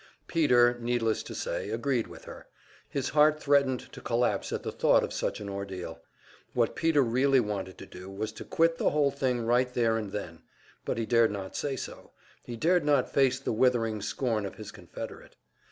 Peter, needless to say, agreed with her; his heart threatened to collapse at the thought of such an ordeal. What Peter really wanted to do was to quit the whole thing right there and then; but he dared not say so, he dared not face the withering scorn of his confederate.